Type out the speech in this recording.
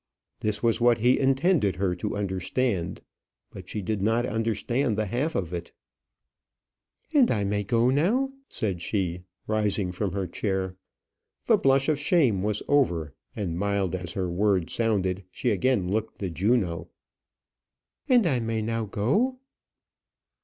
This was what he intended her to understand; but she did not understand the half of it. "And I may now go?" said she, rising from her chair. The blush of shame was over, and mild as her words sounded, she again looked the Juno. "And I may now go?"